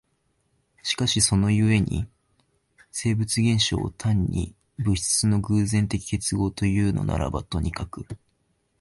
しかしその故に生物現象を単に物質の偶然的結合というのならばとにかく、